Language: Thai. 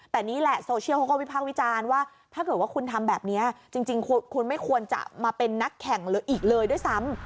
แต่นี่แหละโซเชียลเขาก็วิพากษ์วิจารณ์ว่าถ้าเกิดว่าคุณทำแบบนี้จริงคุณไม่ควรจะมาเป็นนักแข่งหรืออีกเลยด้วยซ้ำ